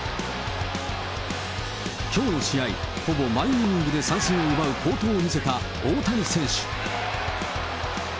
きょうの試合、ほぼ毎イニングで三振を奪う好投を見せた大谷選手。